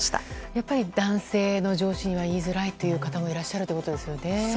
やっぱり男性の上司には言いづらいという方もいらっしゃるということですよね。